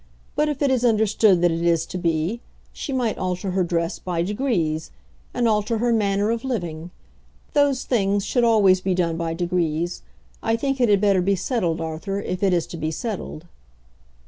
But if it is understood that it is to be, she might alter her dress by degrees, and alter her manner of living. Those things should always be done by degrees. I think it had better be settled, Arthur, if it is to be settled."